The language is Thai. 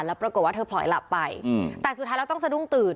แล้วปรากฏว่าเธอผลอยหลับไปแต่สุดท้ายแล้วต้องสะดุ้งตื่น